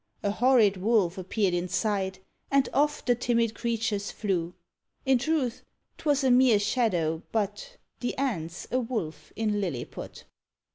A horrid wolf appeared in sight, And off the timid creatures flew. In truth 'twas a mere shadow, but The ant's a wolf in Lilliput.